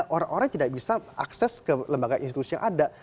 orang orang tidak bisa akses ke lembaga institusi yang ada